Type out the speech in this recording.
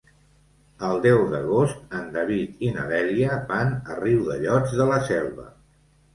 El deu d'agost en David i na Dèlia van a Riudellots de la Selva.